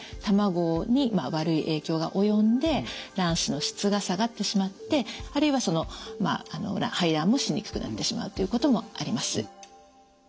卵に悪い影響が及んで卵子の質が下がってしまってあるいはその排卵もしにくくなってしまうということもあります。